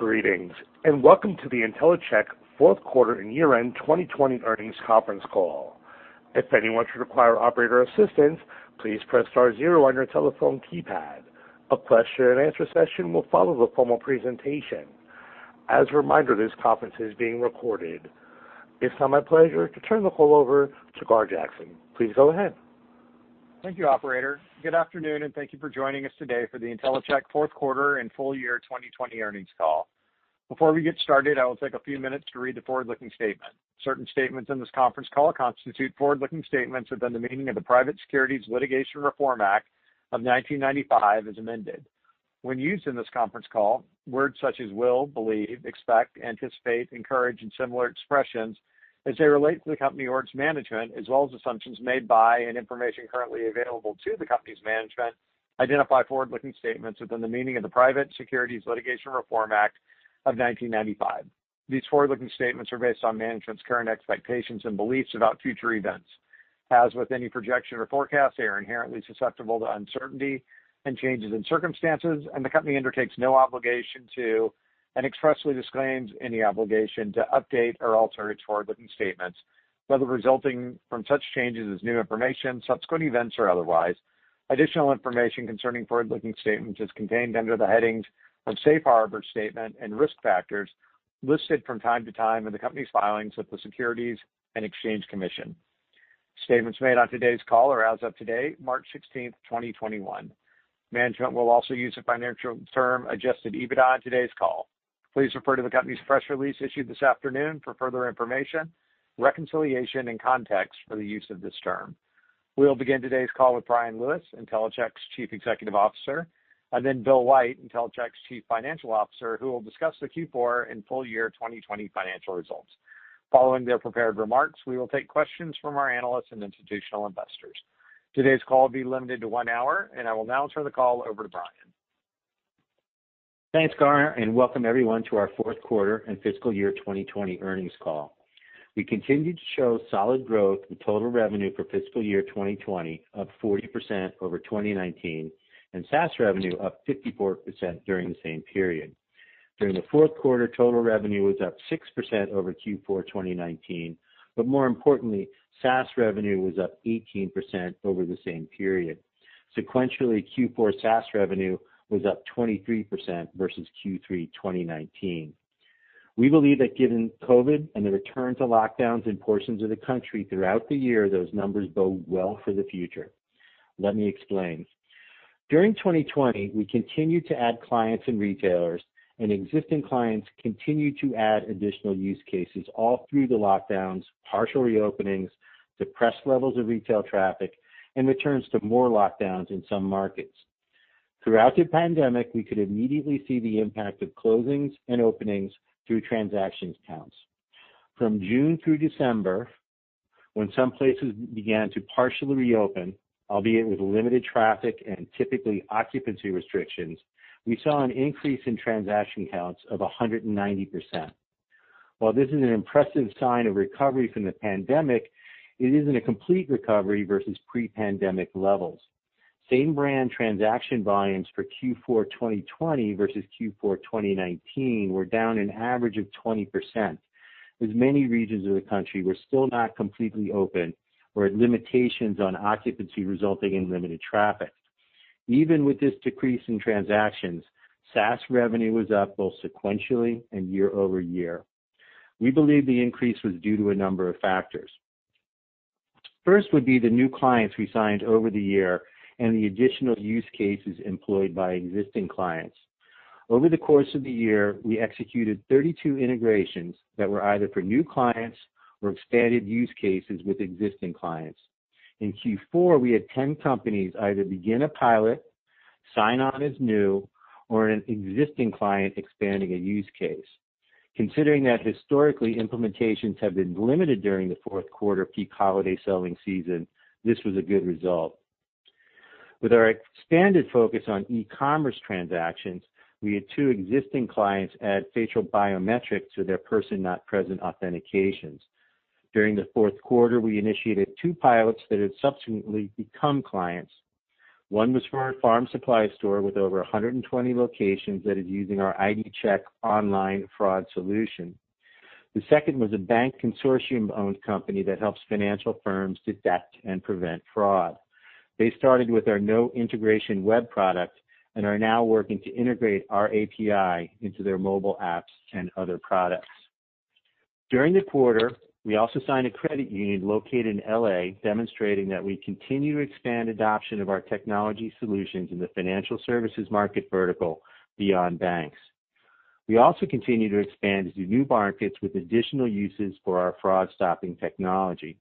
Greetings, and welcome to the Intellicheck Fourth Quarter and Year-End 2020 Earnings Conference Call. If anyone should require operator assistance, please press Star 0 on your telephone keypad. A question-and-answer session will follow the formal presentation. As a reminder, this conference is being recorded. It's now my pleasure to turn the call over to Gar Jackson. Please go ahead. Thank you, Operator. Good afternoon, and thank you for joining us today for the Intellicheck Fourth Quarter and Full Year 2020 Earnings Call. Before we get started, I will take a few minutes to read the forward-looking statement. Certain statements in this conference call constitute forward-looking statements within the meaning of the Private Securities Litigation Reform Act of 1995, as amended. When used in this conference call, words such as will, believe, expect, anticipate, encourage, and similar expressions, as they relate to the company or its management, as well as assumptions made by and information currently available to the company's management, identify forward-looking statements within the meaning of the Private Securities Litigation Reform Act of 1995. These forward-looking statements are based on management's current expectations and beliefs about future events. As with any projection or forecast, they are inherently susceptible to uncertainty and changes in circumstances, and the company undertakes no obligation to, and expressly disclaims any obligation to, update or alter its forward-looking statements, whether resulting from such changes as new information, subsequent events, or otherwise. Additional information concerning forward-looking statements is contained under the headings of Safe Harbor Statement and Risk Factors, listed from time to time in the company's filings with the Securities and Exchange Commission. Statements made on today's call are as of today, March 16th, 2021. Management will also use the financial term Adjusted EBITDA on today's call. Please refer to the company's press release issued this afternoon for further information, reconciliation, and context for the use of this term. We will begin today's call with Bryan Lewis, Intellicheck's Chief Executive Officer, and then Bill White, Intellicheck's Chief Financial Officer, who will discuss the Q4 and Full Year 2020 financial results. Following their prepared remarks, we will take questions from our analysts and institutional investors. Today's call will be limited to one hour, and I will now turn the call over to Bryan. Thanks, Gar, and welcome everyone to our Fourth Quarter and Fiscal Year 2020 Earnings Call. We continue to show solid growth in total revenue for Fiscal Year 2020, up 40% over 2019, and SaaS revenue up 54% during the same period. During the Fourth Quarter, total revenue was up 6% over Q4 2019, but more importantly, SaaS revenue was up 18% over the same period. Sequentially, Q4 SaaS revenue was up 23% versus Q3 2019. We believe that given COVID and the return to lockdowns in portions of the country throughout the year, those numbers bode well for the future. Let me explain. During 2020, we continued to add clients and retailers, and existing clients continued to add additional use cases all through the lockdowns, partial reopenings, depressed levels of retail traffic, and returns to more lockdowns in some markets. Throughout the pandemic, we could immediately see the impact of closings and openings through transaction counts. From June through December, when some places began to partially reopen, albeit with limited traffic and typically occupancy restrictions, we saw an increase in transaction counts of 190%. While this is an impressive sign of recovery from the pandemic, it isn't a complete recovery versus pre-pandemic levels. Same brand transaction volumes for Q4 2020 versus Q4 2019 were down an average of 20%, as many regions of the country were still not completely open or had limitations on occupancy resulting in limited traffic. Even with this decrease in transactions, SaaS revenue was up both sequentially and year-over-year. We believe the increase was due to a number of factors. First would be the new clients we signed over the year and the additional use cases employed by existing clients. Over the course of the year, we executed 32 integrations that were either for new clients or expanded use cases with existing clients. In Q4, we had 10 companies either begin a pilot, sign on as new, or an existing client expanding a use case. Considering that historically implementations have been limited during the Fourth Quarter peak holiday selling season, this was a good result. With our expanded focus on e-commerce transactions, we had two existing clients add facial biometrics to their person-not-present authentications. During the Fourth Quarter, we initiated two pilots that had subsequently become clients. One was for a farm supply store with over 120 locations that is using our ID Check online fraud solution. The second was a bank consortium-owned company that helps financial firms detect and prevent fraud. They started with our no integration web product and are now working to integrate our API into their mobile apps and other products. During the quarter, we also signed a credit union located in LA, demonstrating that we continue to expand adoption of our technology solutions in the financial services market vertical beyond banks. We also continue to expand into new markets with additional uses for our fraud-stopping technology.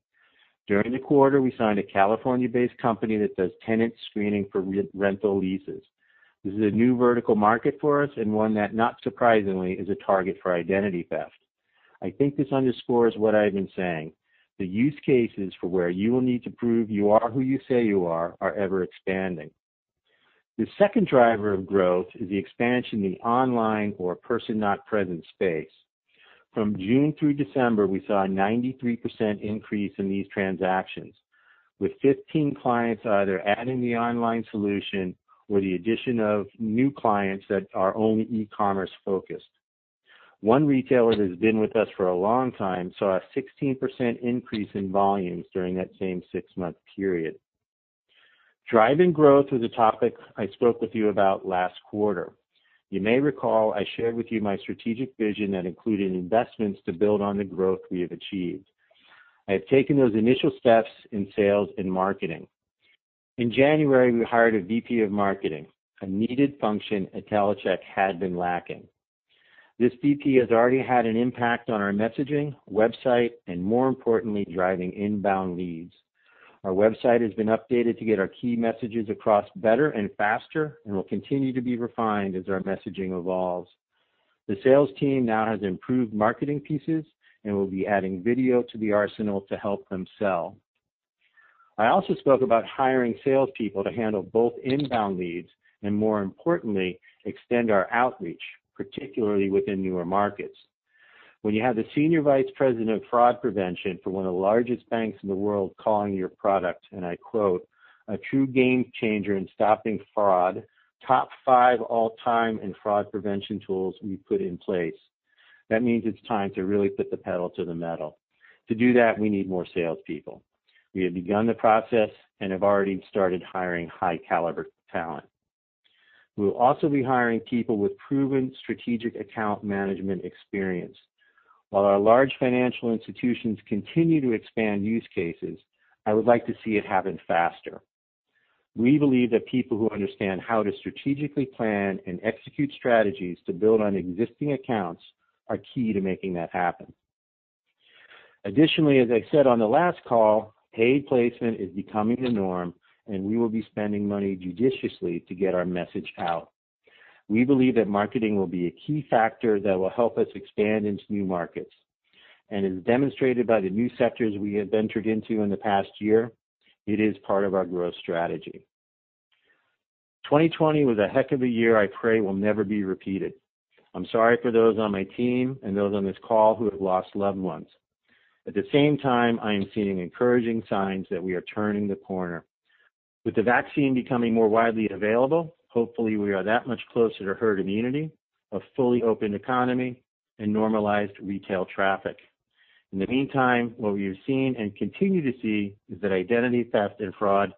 During the quarter, we signed a California-based company that does tenant screening for rental leases. This is a new vertical market for us and one that, not surprisingly, is a target for identity theft. I think this underscores what I've been saying. The use cases for where you will need to prove you are who you say you are are ever expanding. The second driver of growth is the expansion in the online or person-not-present space. From June through December, we saw a 93% increase in these transactions, with 15 clients either adding the online solution or the addition of new clients that are only e-commerce focused. One retailer that has been with us for a long time saw a 16% increase in volumes during that same six-month period. Driving growth was a topic I spoke with you about last quarter. You may recall I shared with you my strategic vision that included investments to build on the growth we have achieved. I have taken those initial steps in sales and marketing. In January, we hired a VP of Marketing, a needed function Intellicheck had been lacking. This VP has already had an impact on our messaging, website, and more importantly, driving inbound leads. Our website has been updated to get our key messages across better and faster and will continue to be refined as our messaging evolves. The sales team now has improved marketing pieces and will be adding video to the arsenal to help them sell. I also spoke about hiring salespeople to handle both inbound leads and, more importantly, extend our outreach, particularly within newer markets. When you have the Senior Vice President of Fraud Prevention for one of the largest banks in the world calling your product, and I quote, "A true game changer in stopping fraud, top five all-time in fraud prevention tools we put in place," that means it's time to really put the pedal to the metal. To do that, we need more salespeople. We have begun the process and have already started hiring high-caliber talent. We will also be hiring people with proven strategic account management experience. While our large financial institutions continue to expand use cases, I would like to see it happen faster. We believe that people who understand how to strategically plan and execute strategies to build on existing accounts are key to making that happen. Additionally, as I said on the last call, paid placement is becoming the norm, and we will be spending money judiciously to get our message out. We believe that marketing will be a key factor that will help us expand into new markets. And as demonstrated by the new sectors we have ventured into in the past year, it is part of our growth strategy. 2020 was a heck of a year, I pray will never be repeated. I'm sorry for those on my team and those on this call who have lost loved ones. At the same time, I am seeing encouraging signs that we are turning the corner. With the vaccine becoming more widely available, hopefully we are that much closer to herd immunity, a fully opened economy, and normalized retail traffic. In the meantime, what we have seen and continue to see is that identity theft and fraud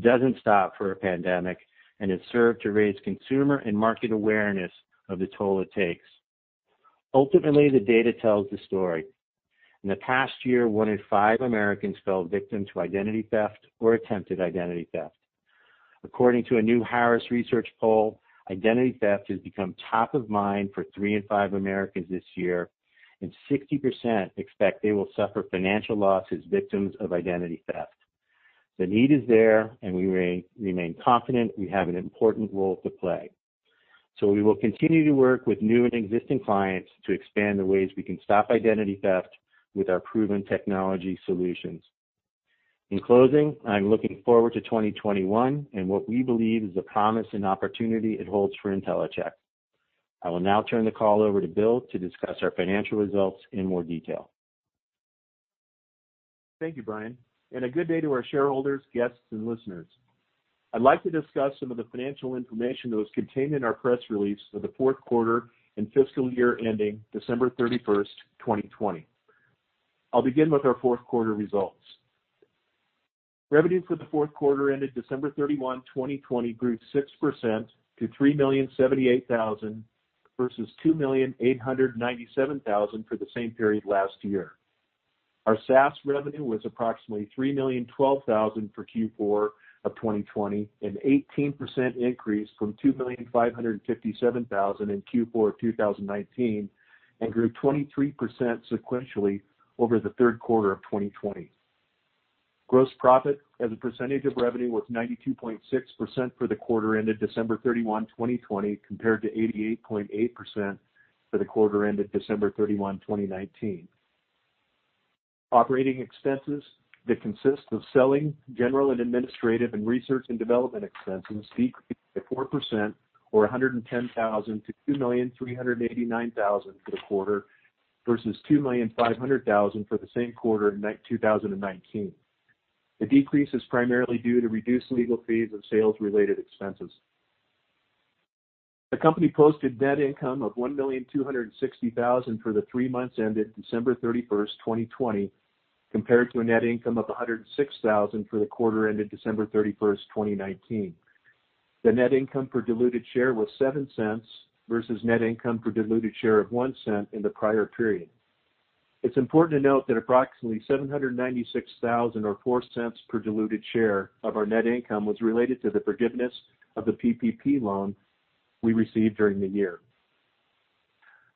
doesn't stop for a pandemic and has served to raise consumer and market awareness of the toll it takes. Ultimately, the data tells the story. In the past year, one in five Americans fell victim to identity theft or attempted identity theft. According to a new The Harris Poll, identity theft has become top of mind for three in five Americans this year, and 60% expect they will suffer financial losses victims of identity theft. The need is there, and we remain confident we have an important role to play. So we will continue to work with new and existing clients to expand the ways we can stop identity theft with our proven technology solutions. In closing, I'm looking forward to 2021 and what we believe is the promise and opportunity it holds for Intellicheck. I will now turn the call over to Bill to discuss our financial results in more detail. Thank you, Bryan, and a good day to our shareholders, guests, and listeners. I'd like to discuss some of the financial information that was contained in our press release for the Fourth Quarter and Fiscal Year ending December 31st, 2020. I'll begin with our Fourth Quarter results. Revenue for the Fourth Quarter ended December 31, 2020, grew 6% to $3,078,000 versus $2,897,000 for the same period last year. Our SaaS revenue was approximately $3,012,000 for Q4 of 2020, an 18% increase from $2,557,000 in Q4 of 2019, and grew 23% sequentially over the Third Quarter of 2020. Gross profit as a percentage of revenue was 92.6% for the quarter ended December 31, 2020, compared to 88.8% for the quarter ended December 31, 2019. Operating expenses that consist of selling general and administrative and research and development expenses decreased by 4%, or $110,000 to $2,389,000 for the quarter versus $2,500,000 for the same quarter in 2019. The decrease is primarily due to reduced legal fees and sales-related expenses. The company posted net income of $1,260,000 for the three months ended December 31st, 2020, compared to a net income of $106,000 for the quarter ended December 31st, 2019. The net income per diluted share was $0.07 versus net income per diluted share of $0.01 in the prior period. It's important to note that approximately $796,000 or $0.04 per diluted share of our net income was related to the forgiveness of the PPP loan we received during the year.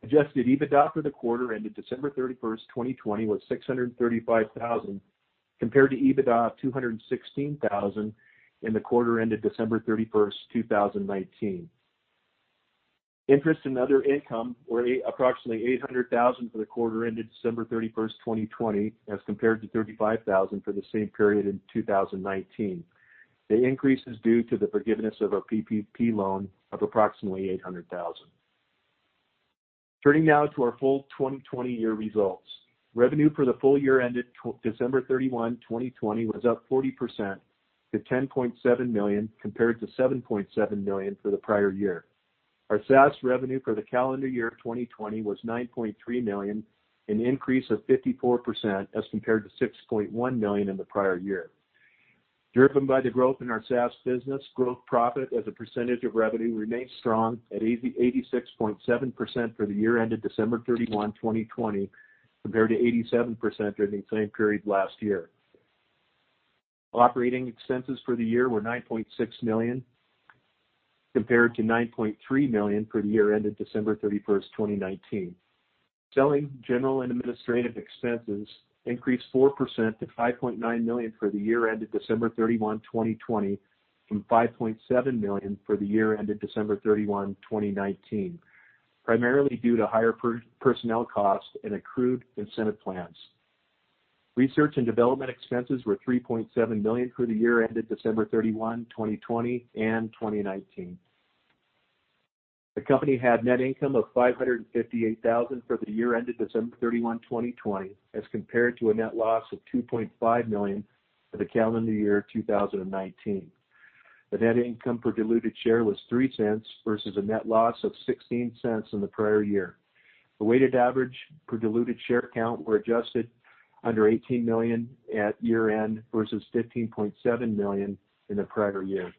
Adjusted EBITDA for the quarter ended December 31st, 2020, was $635,000 compared to EBITDA of $216,000 in the quarter ended December 31st, 2019. Interest and other income were approximately $800,000 for the quarter ended December 31st, 2020, as compared to $35,000 for the same period in 2019. The increase is due to the forgiveness of our PPP loan of approximately $800,000. Turning now to our full 2020 year results. Revenue for the full year ended December 31, 2020, was up 40% to $10.7 million compared to $7.7 million for the prior year. Our SaaS revenue for the calendar year 2020 was $9.3 million, an increase of 54% as compared to $6.1 million in the prior year. Driven by the growth in our SaaS business, gross profit as a percentage of revenue remained strong at 86.7% for the year ended December 31, 2020, compared to 87% during the same period last year. Operating expenses for the year were $9.6 million compared to $9.3 million for the year ended December 31st, 2019. Selling, general, and administrative expenses increased 4% to $5.9 million for the year ended December 31, 2020, from $5.7 million for the year ended December 31, 2019, primarily due to higher personnel costs and accrued incentive plans. Research and development expenses were $3.7 million for the year ended December 31, 2020, and 2019. The company had net income of $558,000 for the year ended December 31, 2020, as compared to a net loss of $2.5 million for the calendar year 2019. The net income per diluted share was $0.03 versus a net loss of $0.16 in the prior year. The weighted average per diluted share count was just under 18 million at year end versus 15.7 million in the prior year.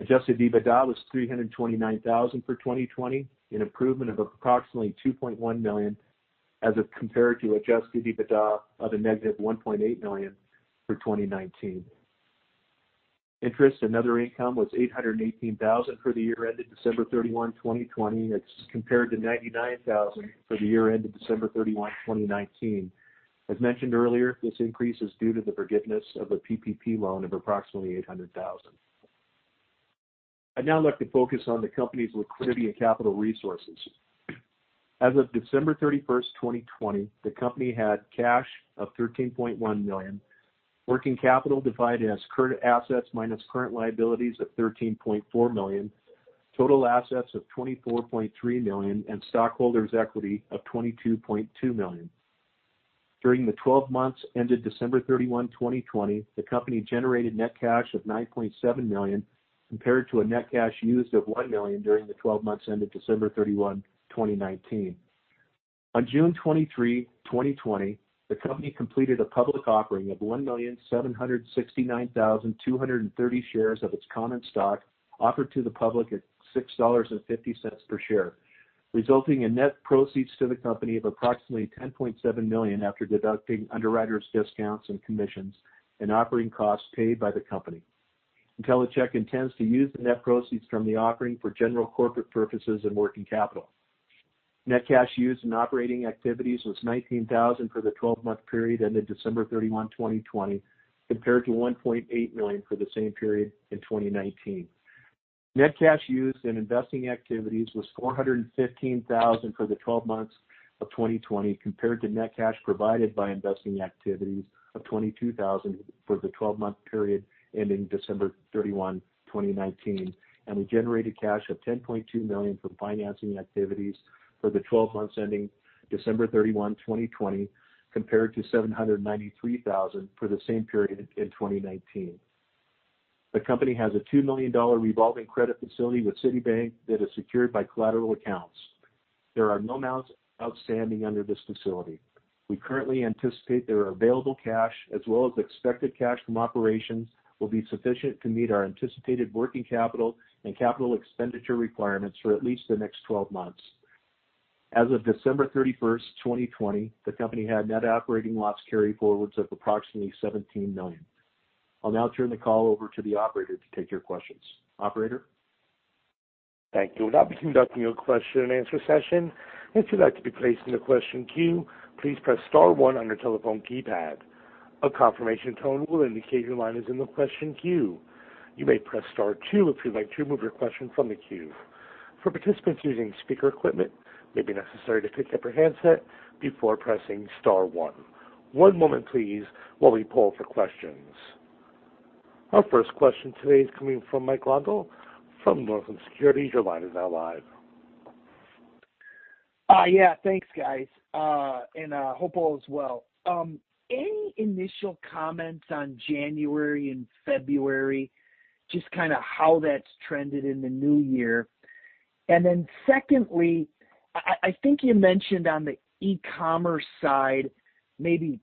Adjusted EBITDA was $329,000 for 2020, an improvement of approximately $2.1 million as compared to adjusted EBITDA of a negative $1.8 million for 2019. Interest and other income was $818,000 for the year ended December 31, 2020, as compared to $99,000 for the year ended December 31, 2019. As mentioned earlier, this increase is due to the forgiveness of the PPP loan of approximately $800,000. I'd now like to focus on the company's liquidity and capital resources. As of December 31st, 2020, the company had cash of $13.1 million, working capital defined as current assets minus current liabilities of $13.4 million, total assets of $24.3 million, and stockholders' equity of $22.2 million. During the 12 months ended December 31, 2020, the company generated net cash of $9.7 million compared to a net cash used of $1 million during the 12 months ended December 31, 2019. On June 23, 2020, the company completed a public offering of 1,769,230 shares of its common stock offered to the public at $6.50 per share, resulting in net proceeds to the company of approximately $10.7 million after deducting underwriters' discounts and commissions and offering costs paid by the company. Intellicheck intends to use the net proceeds from the offering for general corporate purposes and working capital. Net cash used in operating activities was $19,000 for the 12-month period ended December 31, 2020, compared to $1.8 million for the same period in 2019. Net cash used in investing activities was $415,000 for the 12 months of 2020 compared to net cash provided by investing activities of $22,000 for the 12-month period ending December 31, 2019, and we generated cash of $10.2 million from financing activities for the 12 months ending December 31, 2020, compared to $793,000 for the same period in 2019. The company has a $2 million revolving credit facility with Citibank that is secured by collateral accounts. There are no amounts outstanding under this facility. We currently anticipate there are available cash as well as expected cash from operations will be sufficient to meet our anticipated working capital and capital expenditure requirements for at least the next 12 months. As of December 31st, 2020, the company had net operating loss carryforwards of approximately $17 million. I'll now turn the call over to the operator to take your questions. Operator. Thank you for conducting your question and answer session. If you'd like to be placed in the question queue, please press Star 1 on your telephone keypad. A confirmation tone will indicate your line is in the question queue. You may press Star 2 if you'd like to remove your question from the queue. For participants using speaker equipment, it may be necessary to pick up your handset before pressing Star 1. One moment, please, while we pull up the questions. Our first question today is coming from Mike Grondahl from Northland Securities. Your line is now live. Yeah, thanks, guys. And I hope all is well. Any initial comments on January and February, just kind of how that's trended in the new year? And then secondly, I think you mentioned on the e-commerce side, maybe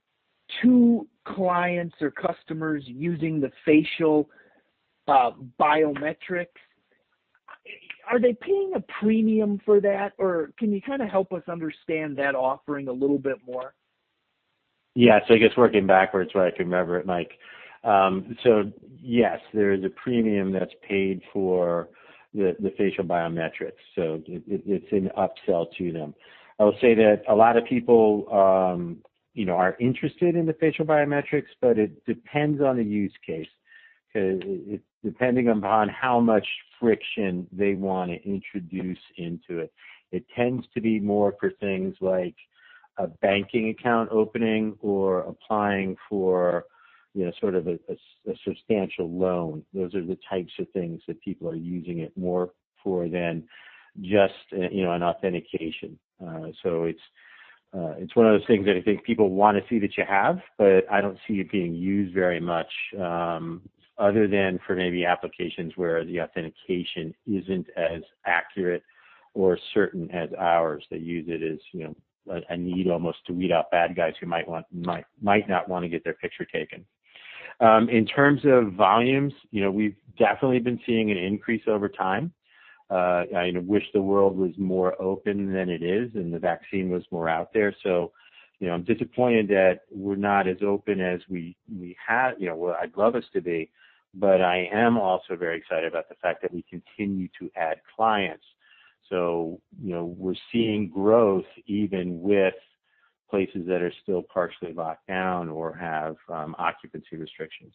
two clients or customers using the facial biometrics. Are they paying a premium for that, or can you kind of help us understand that offering a little bit more? Yeah, so I guess working backwards so I can remember it, Mike. So yes, there is a premium that's paid for the facial biometrics. So it's an upsell to them. I'll say that a lot of people are interested in the facial biometrics, but it depends on the use case. Depending upon how much friction they want to introduce into it, it tends to be more for things like a banking account opening or applying for sort of a substantial loan. Those are the types of things that people are using it more for than just an authentication. So it's one of those things that I think people want to see that you have, but I don't see it being used very much other than for maybe applications where the authentication isn't as accurate or certain as ours. They use it as a need almost to weed out bad guys who might not want to get their picture taken. In terms of volumes, we've definitely been seeing an increase over time. I wish the world was more open than it is and the vaccine was more out there. So I'm disappointed that we're not as open as we had. Well, I'd love us to be, but I am also very excited about the fact that we continue to add clients. So we're seeing growth even with places that are still partially locked down or have occupancy restrictions.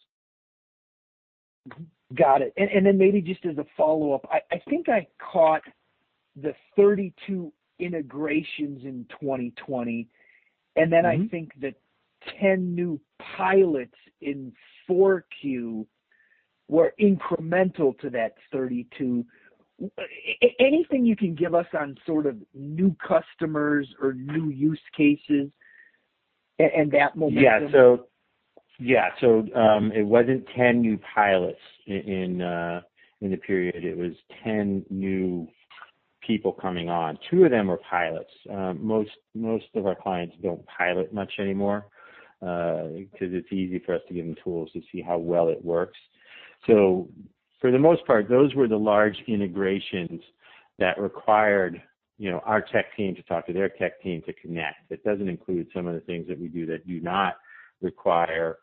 Got it. And then maybe just as a follow-up, I think I caught the 32 integrations in 2020, and then I think that 10 new pilots in Q4 were incremental to that 32. Anything you can give us on sort of new customers or new use cases and that momentum? Yeah. So yeah, so it wasn't 10 new pilots in the period. It was 10 new people coming on. Two of them were pilots. Most of our clients don't pilot much anymore because it's easy for us to give them tools to see how well it works. So for the most part, those were the large integrations that required our tech team to talk to their tech team to connect. That doesn't include some of the things that we do that do not require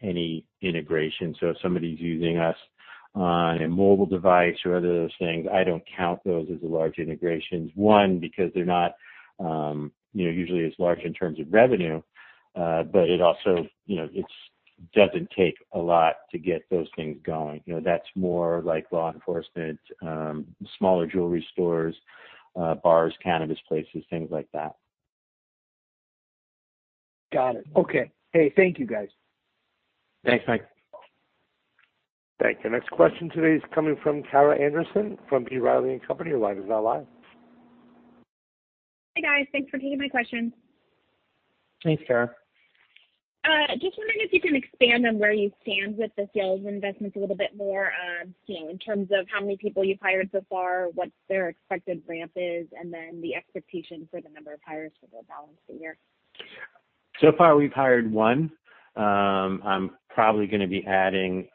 any integration. So if somebody's using us on a mobile device or other those things, I don't count those as large integrations. One, because they're not usually as large in terms of revenue, but it also doesn't take a lot to get those things going. That's more like law enforcement, smaller jewelry stores, bars, cannabis places, things like that. Got it. Okay. Hey, thank you, guys. Thanks, Mike. Thank you. Next question today is coming from Kara Anderson from B. Riley and Company. Your line is now live. Hey, guys. Thanks for taking my question. Thanks, Kara. Just wondering if you can expand on where you stand with the sales and investments a little bit more in terms of how many people you've hired so far, what their expected ramp is, and then the expectation for the number of hires for the balance of the year? So far, we've hired one. I'm probably going to be adding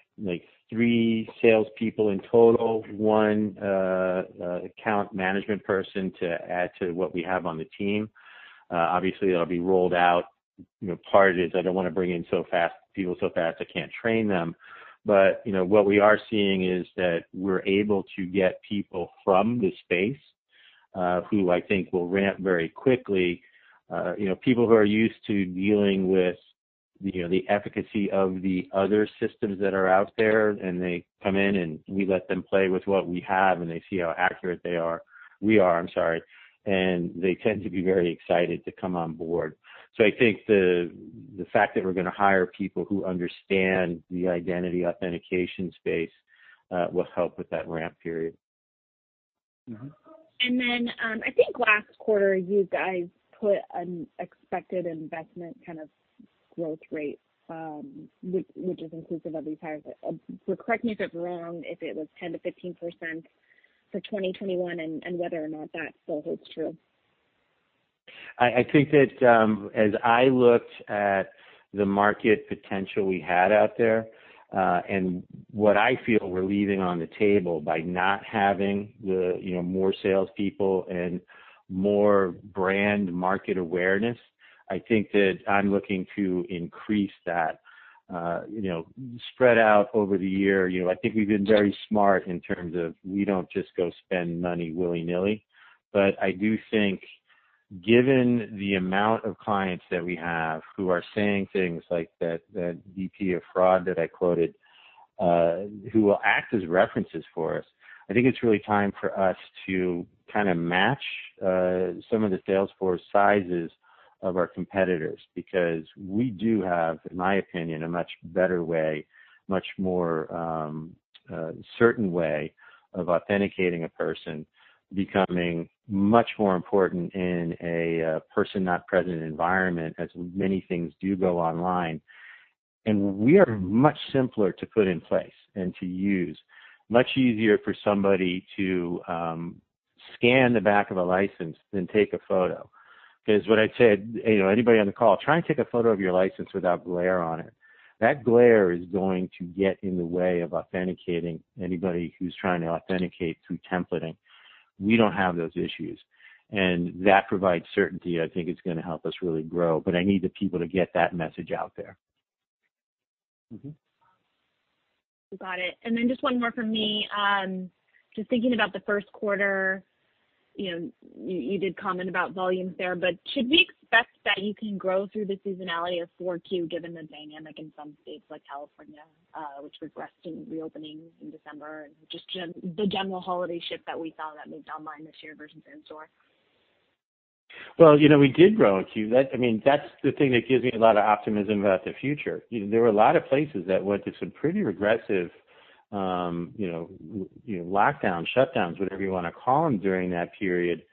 three salespeople in total, one account management person to add to what we have on the team. Obviously, it'll be rolled out. Part of it is I don't want to bring in people so fast I can't train them. But what we are seeing is that we're able to get people from the space who I think will ramp very quickly. People who are used to dealing with the efficacy of the other systems that are out there, and they come in and we let them play with what we have and they see how accurate we are. I'm sorry, and they tend to be very excited to come on board. So I think the fact that we're going to hire people who understand the identity authentication space will help with that ramp period. And then I think last quarter, you guys put an expected investment kind of growth rate, which is inclusive of these hires. Correct me if I'm wrong if it was 10%-15% for 2021 and whether or not that still holds true? I think that as I looked at the market potential we had out there and what I feel we're leaving on the table by not having more salespeople and more brand market awareness, I think that I'm looking to increase that, spread out over the year. I think we've been very smart in terms of we don't just go spend money willy-nilly. But I do think given the amount of clients that we have who are saying things like that VP of fraud that I quoted, who will act as references for us, I think it's really time for us to kind of match some of the sales force sizes of our competitors because we do have, in my opinion, a much better way, much more certain way of authenticating a person becoming much more important in a person-not-present environment as many things do go online. And we are much simpler to put in place and to use. Much easier for somebody to scan the back of a license than take a photo. Because what I'd say, anybody on the call, try and take a photo of your license without glare on it. That glare is going to get in the way of authenticating anybody who's trying to authenticate through templating. We don't have those issues. And that provides certainty, I think, is going to help us really grow. But I need the people to get that message out there. Got it. And then just one more from me. Just thinking about the first quarter, you did comment about volumes there, but should we expect that you can grow through the seasonality of Q4 given the dynamics in some states like California, which was restricting and reopening in December, and just the general holiday shift that we saw that moved online this year versus in-store? We did grow in Q4. I mean, that's the thing that gives me a lot of optimism about the future. There were a lot of places that went to some pretty restrictive lockdowns, shutdowns, whatever you want to call them during that period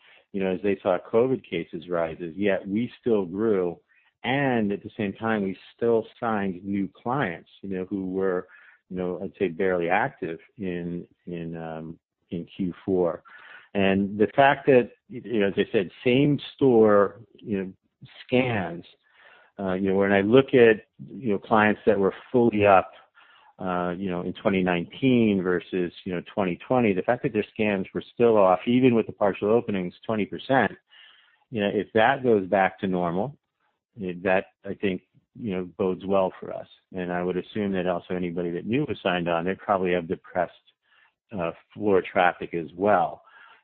as they saw COVID cases rise. Yet we still grew, and at the same time, we still signed new clients who were, I'd say, barely active in Q4. And the fact that, as I said, same store scans, when I look at clients that were fully up in 2019 versus 2020, the fact that their scans were still off, even with the partial openings, 20%, if that goes back to normal, that I think bodes well for us. And I would assume that also any new was signed on, they probably have depressed floor traffic as well.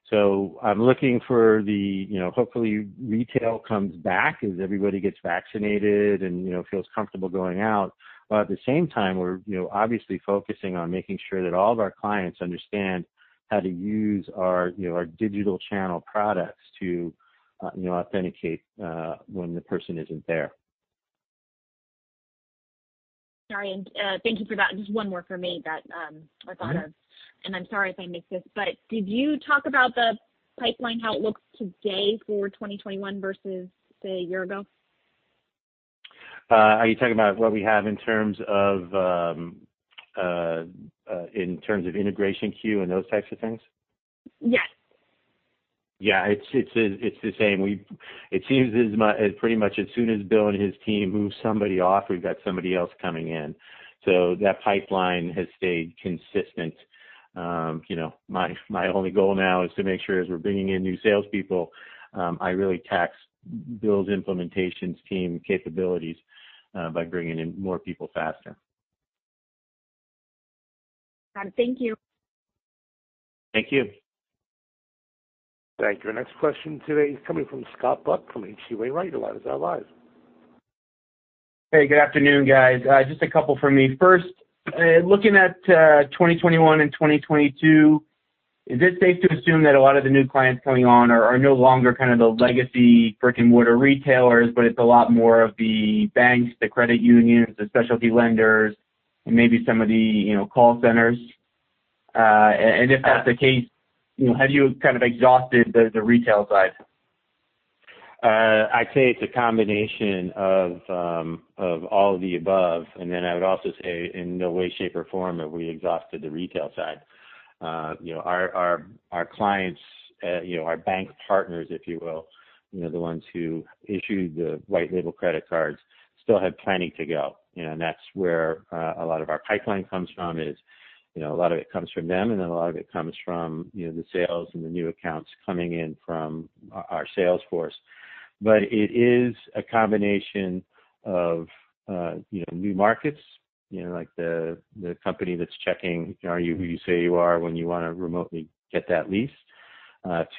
So I'm looking for the hopefully retail comes back as everybody gets vaccinated and feels comfortable going out. But at the same time, we're obviously focusing on making sure that all of our clients understand how to use our digital channel products to authenticate when the person isn't there. Sorry. And thank you for that. Just one more for me that I thought of. And I'm sorry if I missed this, but did you talk about the pipeline, how it looks today for 2021 versus, say, a year ago? Are you talking about what we have in terms of integration queue and those types of things? Yes. Yeah. It's the same. It seems as pretty much as soon as Bill and his team move somebody off, we've got somebody else coming in. So that pipeline has stayed consistent. My only goal now is to make sure as we're bringing in new salespeople, I really tax Bill's implementation team capabilities by bringing in more people faster. Got it. Thank you. Thank you. Thank you. Our next question today is coming from Scott Buck from H.C. Wainwright. Your line is now live. Hey, good afternoon, guys. Just a couple for me. First, looking at 2021 and 2022, is it safe to assume that a lot of the new clients coming on are no longer kind of the legacy brick-and-mortar retailers, but it's a lot more of the banks, the credit unions, the specialty lenders, and maybe some of the call centers? And if that's the case, have you kind of exhausted the retail side? I'd say it's a combination of all of the above. And then I would also say in no way, shape, or form have we exhausted the retail side. Our clients, our bank partners, if you will, the ones who issued the white-label credit cards, still have plenty to go. And that's where a lot of our pipeline comes from, is a lot of it comes from them, and then a lot of it comes from the sales and the new accounts coming in from our sales force. But it is a combination of new markets, like the company that's checking who you say you are when you want to remotely get that lease,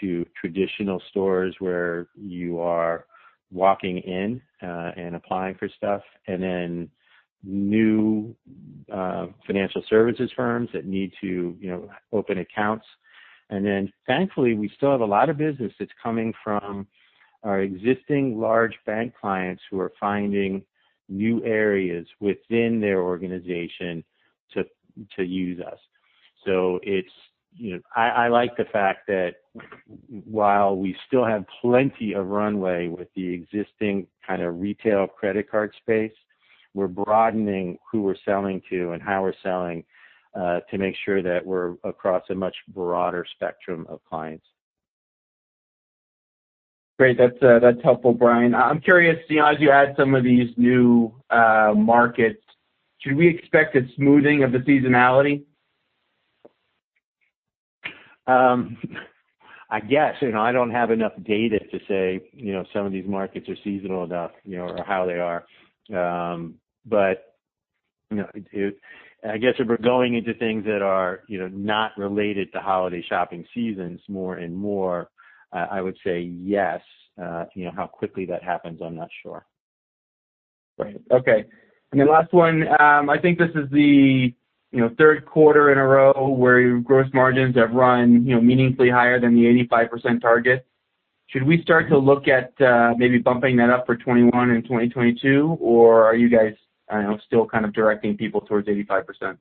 to traditional stores where you are walking in and applying for stuff, and then new financial services firms that need to open accounts. And then, thankfully, we still have a lot of business that's coming from our existing large bank clients who are finding new areas within their organization to use us. So I like the fact that while we still have plenty of runway with the existing kind of retail credit card space, we're broadening who we're selling to and how we're selling to make sure that we're across a much broader spectrum of clients. Great. That's helpful, Bryan. I'm curious, as you add some of these new markets, should we expect a smoothing of the seasonality? I guess. I don't have enough data to say some of these markets are seasonal enough or how they are. But I guess if we're going into things that are not related to holiday shopping seasons more and more, I would say yes. How quickly that happens, I'm not sure. Right. Okay. And then last one. I think this is the third quarter in a row where gross margins have run meaningfully higher than the 85% target. Should we start to look at maybe bumping that up for 2021 and 2022, or are you guys still kind of directing people towards 85%?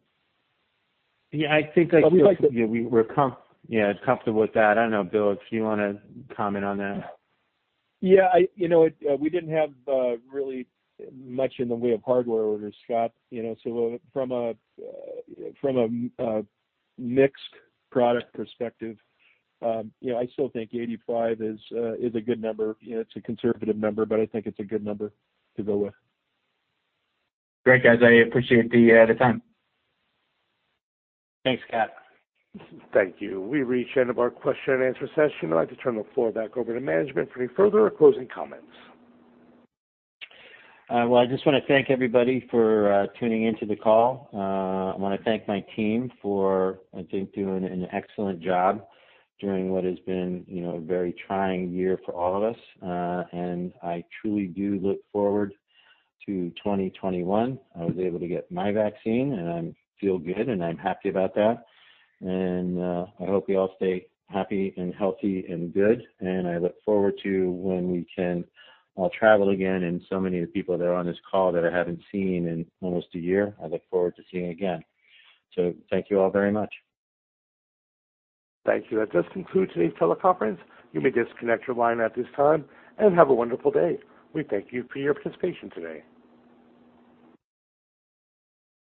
Yeah. I think. We'd like to. Yeah. We're comfortable with that. I don't know, Bill, if you want to comment on that. Yeah. We didn't have really much in the way of hardware orders, Scott. So from a mixed product perspective, I still think 85 is a good number. It's a conservative number, but I think it's a good number to go with. Great, guys. I appreciate the time. Thanks, Kat. Thank you. We reached the end of our question and answer session. I'd like to turn the floor back over to management for any further or closing comments. I just want to thank everybody for tuning into the call. I want to thank my team for, I think, doing an excellent job during what has been a very trying year for all of us. I truly do look forward to 2021. I was able to get my vaccine, and I feel good, and I'm happy about that. I hope you all stay happy and healthy and good. I look forward to when we can all travel again and so many of the people that are on this call that I haven't seen in almost a year, I look forward to seeing again. Thank you all very much. Thank you. That does conclude today's teleconference. You may disconnect your line at this time and have a wonderful day. We thank you for your participation today.